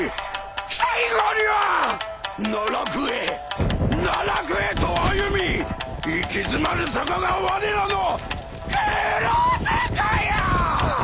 最後には奈落へ奈落へと歩み行き詰まる底がわれらの墓場よ！